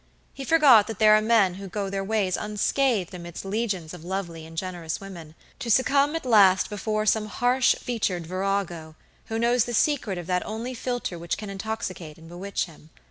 He forgot that there are men who go their ways unscathed amidst legions of lovely and generous women, to succumb at last before some harsh featured virago, who knows the secret of that only philter which can intoxicate and bewitch him.